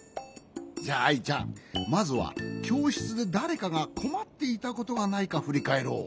じゃあアイちゃんまずはきょうしつでだれかがこまっていたことがないかふりかえろう。